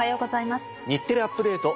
『日テレアップＤａｔｅ！』